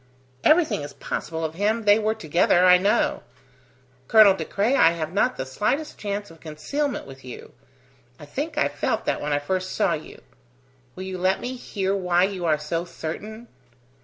Everything is possible of him: they were together, I know. Colonel De Craye, I have not the slightest chance of concealment with you. I think I felt that when I first saw you. Will you let me hear why you are so certain?"